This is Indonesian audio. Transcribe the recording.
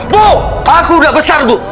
bu aku udah besar bu